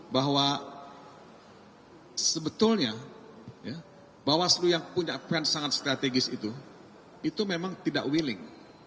bahwa sebetulnya bawaslu yang punya peran sangat strategis itu itu memang tidak willing